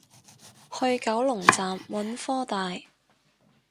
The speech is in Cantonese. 去九龍站揾科大